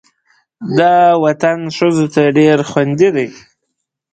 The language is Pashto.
دا وطن ښځو ته ډېر خوندي دی.